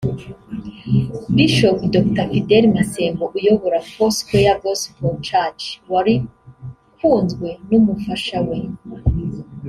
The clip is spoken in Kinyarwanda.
Bishop Dr Fidele Masengo uyobora Four Square Gospel church wari kumwe n'umufasha we